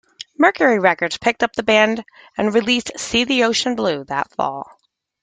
Mercury Records picked up the band and released "See the Ocean Blue" that fall.